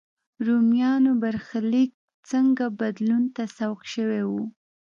رومیانو برخلیک څنګه بدلون ته سوق شوی و.